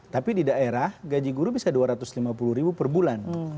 tapi di daerah gaji guru bisa dua ratus lima puluh ribu per bulan